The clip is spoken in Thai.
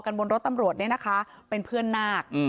บนรถตำรวจเนี่ยนะคะเป็นเพื่อนนาค